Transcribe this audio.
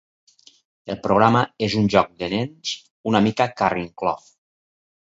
El programa és un joc de nens una mica carrincló.